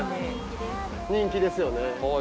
人気ですよね。